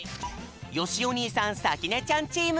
よしお兄さんさきねちゃんチーム！